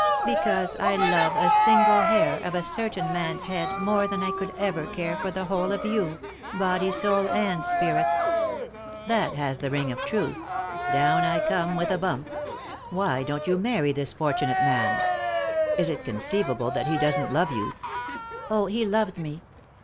"Because I love a single hair of a certain man's head more than I could ever care for the whole or you — body, soul, and spirit." "That has the ring of truth— down I come with a bump. Why don't you marry this fortunate man I Is it conceivable that he doesn't love you ?" "Oh, he loves me."